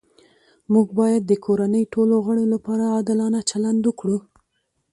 موږ باید د کورنۍ ټولو غړو لپاره عادلانه چلند وکړو